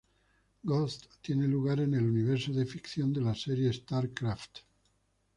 Ghost tiene lugar en el universo de ficción de la serie StarCraft.